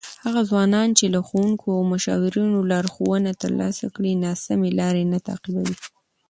هغه ځوانان چې له ښوونکو او مشاورینو لارښوونه ترلاسه کړي، ناسمې لارې نه تعقیبوي.